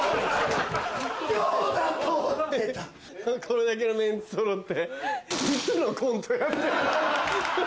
これだけのメンツそろって。